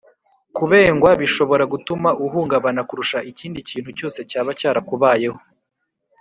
Kubengwa bishobora gutuma uhungabana kurusha ikindi kintu cyose cyaba cyarakubayeho